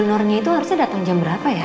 nornya itu harusnya datang jam berapa ya